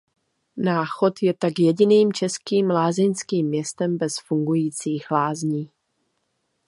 Náchod je tak jediným českým lázeňským městem bez fungujících lázní.